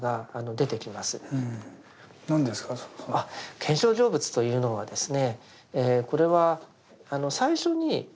見性成仏というのはですね